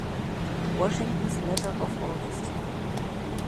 Washington’s Letter of Aug.